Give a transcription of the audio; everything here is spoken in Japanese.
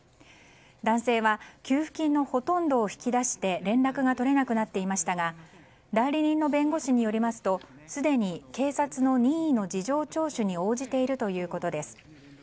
男性は給付金のほとんどを引き出して連絡が取れなくなっていましたが代理人の弁護士によりますとすでに警察の任意の事情聴取に応じているということです。